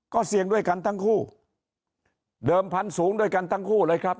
ก็เสี่ยงด้วยกันทั้งคู่เดิมพันธุ์สูงด้วยกันทั้งคู่เลยครับ